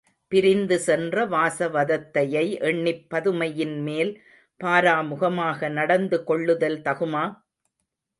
பிரிந்து சென்ற வாசவதத்தையை எண்ணிப் பதுமையின்மேல் பாராமுகமாக நடந்து கொள்ளுதல் தகுமா?